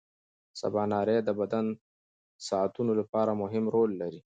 سباناري د بدن ساعتونو لپاره مهمه رول لري.